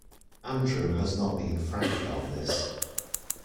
Andrew has not been frank about this.